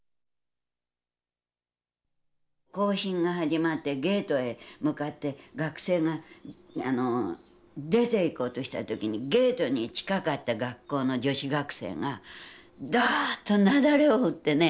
行進が始まってゲートへ向かって学生が出ていこうとした時にゲートに近かった学校の女子学生がドッと雪崩を打ってね。